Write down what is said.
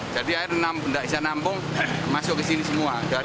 jadi air tidak bisa nampung masuk ke sini semua